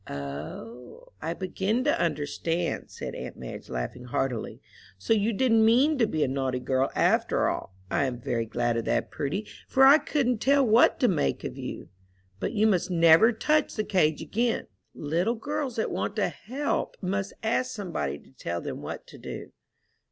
"O, I begin to understand," said aunt Madge, laughing heartily. "So you didn't mean to be a naughty girl after all. I am very glad of that, Prudy, for I couldn't tell what to make of you. But you must never touch the cage again. Little girls that want to help, must ask somebody to tell them what to do.